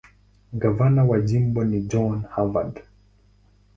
Gavana wa jimbo ni John Harvard.